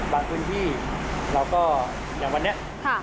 พื้นที่เราก็อย่างวันนี้